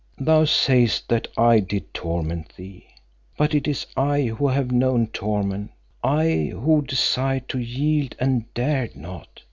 "Thou sayest that I did torment thee, but it is I who have known torment, I who desired to yield and dared not.